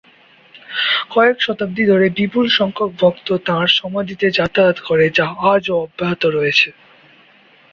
কয়েক শতাব্দী ধরে বিপুল সংখ্যক ভক্ত তাঁর সমাধিতে যাতায়াত করে যা আজও অব্যাহত রয়েছে।